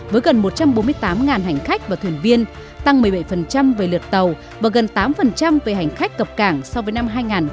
với gần một trăm bốn mươi tám hành khách và thuyền viên tăng một mươi bảy về lượt tàu và gần tám về hành khách cập cảng so với năm hai nghìn một mươi tám